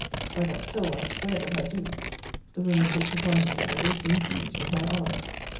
By that soul, I swear that I do. [The women looked upon each other they seemed pleased with my ardour.